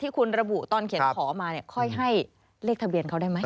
คุณระบุตอนเขียนขอมาค่อยให้เลขทะเบียนเขาได้ไหม